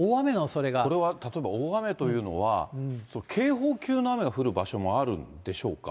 これは例えば大雨というのは、警報級の雨が降る場所もあるんでしょうか？